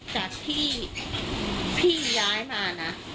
จากที่พี่ย้ายมานะ